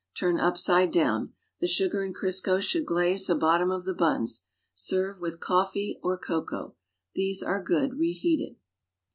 Turn upside down. The sugar and Crisco should glaze the bottom of the buns. Serve with cutfee or cocoa. These are good reheated.